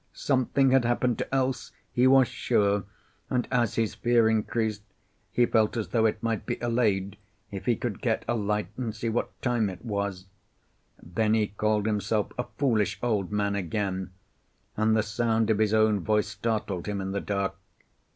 Something had happened to Else, he was sure, and as his fear increased, he felt as though it might be allayed if he could get a light and see what time it was. Then he called himself a foolish old man again, and the sound of his own voice startled him in the dark.